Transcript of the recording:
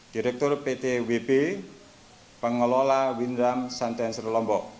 direktur pt wb pengelola winham sundancer lombok